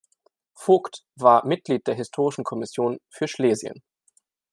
Vogt war Mitglied der Historischen Kommission für Schlesien.